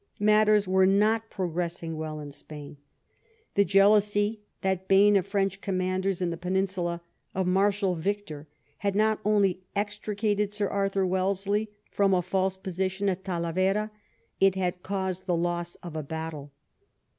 Matters were not progressing well in Spain. The jealousy — that bane of French commanders in the Peninsula — of Marshal Victor had not only extricated Sir Arthur Wellesley from a false position at Talavera : it had caused the loss of a battle.